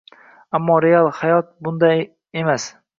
Ammo real hayot bunday emas